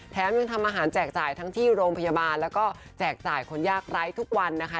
ยังทำอาหารแจกจ่ายทั้งที่โรงพยาบาลแล้วก็แจกจ่ายคนยากไร้ทุกวันนะคะ